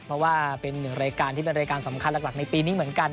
เพราะว่าเป็นหนึ่งรายการที่เป็นรายการสำคัญหลักในปีนี้เหมือนกัน